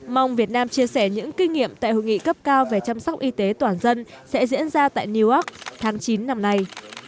mong việt nam chia sẻ những kinh nghiệm tại hội nghị cấp cao về chăm sóc y tế toàn dân sẽ diễn ra tại newark tháng chín năm nay